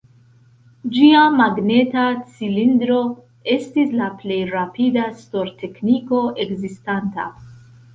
Ĝia magneta cilindro estis la plej rapida stor-tekniko ekzistanta.